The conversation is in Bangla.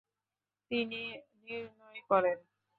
তিনি নির্ণয় করেন।